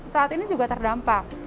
saat ini juga terdampak